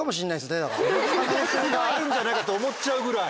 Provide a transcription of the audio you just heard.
その可能性があるんじゃないかと思っちゃうぐらい。